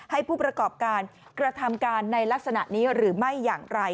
ให้ผู้ประกอบการกระทำการในลักษณะนี้หรือไม่อย่างไร